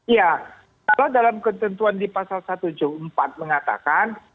ya kalau dalam ketentuan di pasal satu ratus tujuh puluh empat mengatakan